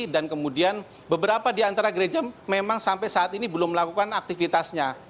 dan kemudian beberapa di antara gereja memang sampai saat ini belum melakukan aktivitasnya